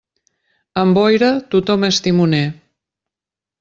Amb boira, tothom és timoner.